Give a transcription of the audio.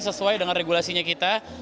sesuai dengan regulasinya kita